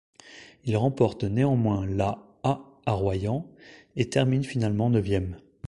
Il remporte néanmoins la A à Royan, et termine finalement neuvième.